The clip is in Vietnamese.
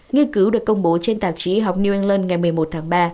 nghiên cứu được công bố trên tạp chí học new england ngày một mươi một tháng ba